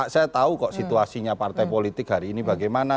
saya tahu kok situasinya partai politik hari ini bagaimana